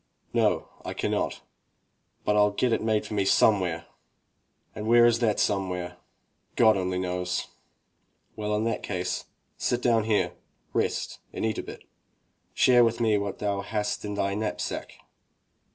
"No, I cannot, but Fll get it made for me somewhere." "And where is that somewhere?" "God only knows." "Well, in that case, sit down here, rest and eat a bit. Share with me what thou hast in thy knapsack."